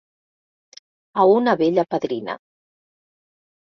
A una bella padrina.